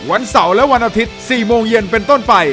วันเสาร์และวันอาทิตย์๔โมงเย็นเป็นต้นไป